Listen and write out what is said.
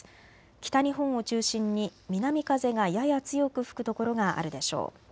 北日本を中心に南風がやや強く吹く所があるでしょう。